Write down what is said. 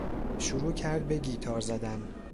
شروع کرد به گیتار زدن.